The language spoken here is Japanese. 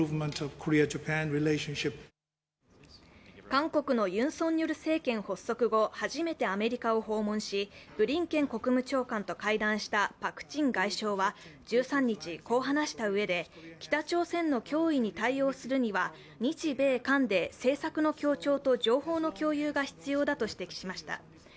韓国のユン・ソンニョル政権発足後、初めてアメリカを訪問し、ブリンケン国務長官と会談したパク・チン外相は１３日こう話したうえで北朝鮮の脅威に対応するには日米韓で政策の協調と情報の共有が必要だと指摘しました。